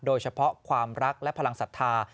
โดยเฉพาะความรักและพลังศรัทธา